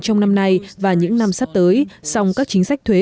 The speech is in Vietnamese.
trong năm nay và những năm sắp tới song các chính sách thuế